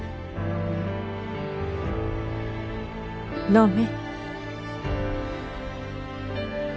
飲め。